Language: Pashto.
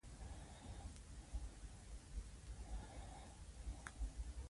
زينبه په ژړا کې خندا واخيسته: نه ابا!